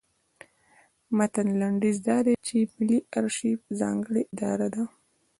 د متن لنډیز دا دی چې ملي ارشیف ځانګړې اداره ده.